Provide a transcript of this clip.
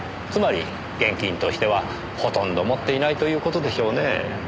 つまり現金としてはほとんど持っていないという事でしょうねえ。